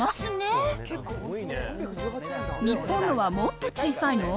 日本のはもっと小さいの？